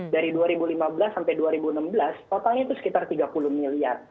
dari dua ribu lima belas sampai dua ribu enam belas totalnya itu sekitar tiga puluh miliar